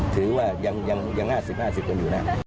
ถือว่ายัง๕๐๕๐กันอยู่นะ